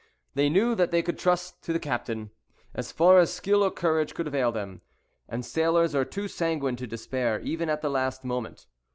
They knew that they could trust to the captain, as far as skill or courage could avail them; and sailors are too sanguine to despair, even at the last moment.